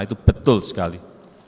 itu betul sekali